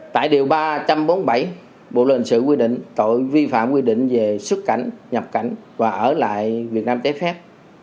tại điều ba trăm bốn mươi bảy bộ luật hình sự quy định tội vi phạm quy định về xuất cảnh nhập cảnh và ở lại việt nam trái phép